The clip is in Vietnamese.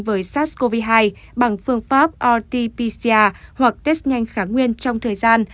với sars cov hai bằng phương pháp rt pcr hoặc test nhanh kháng nguyên trong thời gian